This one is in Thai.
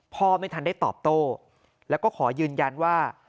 พ่อไม่ทันได้ตอบโต้แล้วก็ขอยืนยันว่า